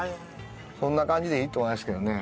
そんな感じでいいと思いますけどね。